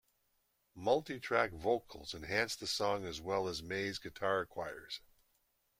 Multi-tracked vocals enhanced the song as well as May's guitar choirs.